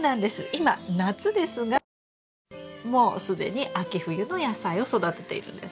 今夏ですがもう既に秋冬の野菜を育てているんです。